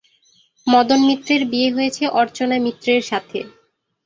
মদন মিত্রের বিয়ে হয়েছে অর্চনা মিত্রের সাথে।